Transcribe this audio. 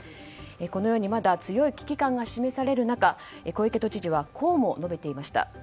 このようにまだ強い危機感が示される中小池都知事はこうも述べていました。